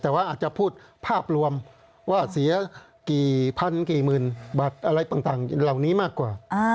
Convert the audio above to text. แต่ว่าอาจจะพูดภาพรวมว่าเสียกี่พันกี่หมื่นบัตรอะไรต่างเหล่านี้มากกว่า